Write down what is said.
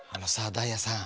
ダイヤさん。